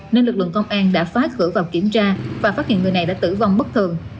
nên lực lượng công an đã phá cửa vào kiểm tra và phát hiện người này đã tử vong bất thường